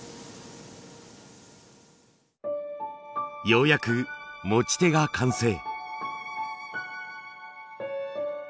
ようやく持ち手が完成。